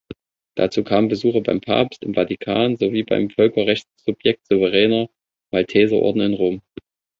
Dazu kamen Besuche beim Papst im Vatikan sowie beim Völkerrechtssubjekt Souveräner Malteserorden in Rom.